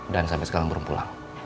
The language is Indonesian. dan sampai sekarang belum pulang